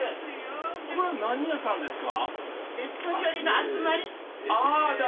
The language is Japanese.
これは何屋さんですか？